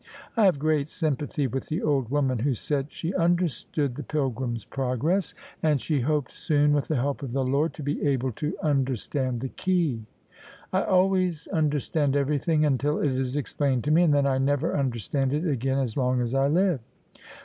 I have great sympathy with the old woman who said she 'understood the Pilgrim's Progress, and she [8i] THE SUBJECTION hoped soon, with the help of the Lord, to be able to under stand the key.* I always understand everything until it is explained to me: and then I never understand it again as long as I live."